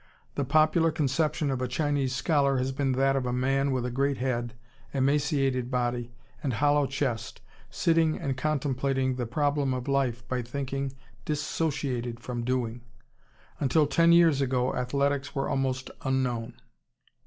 The popular conception of a Chinese scholar has been that of a man with a great head, emaciated body, and hollow chest, sitting and contemplating the problem of life by thinking dissociated from doing. Until ten years ago athletics were almost unknown.